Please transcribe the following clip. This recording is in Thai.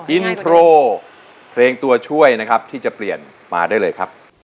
อินโทรเพลงตัวช่วยนะครับที่จะเปลี่ยนมาได้เลยครับ